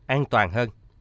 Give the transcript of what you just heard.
an toàn hơn